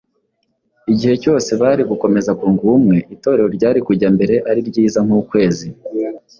Igihe cyose bari gukomeza kunga ubumwe, Itorero ryari kujya mbere ari “Ryiza nk’ukwezi,